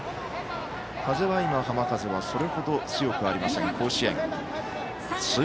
風は今、浜風はそれほど強くありません、甲子園。